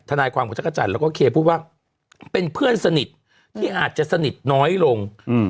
นายความของจักรจันทร์แล้วก็เคพูดว่าเป็นเพื่อนสนิทที่อาจจะสนิทน้อยลง